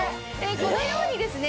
このようにですね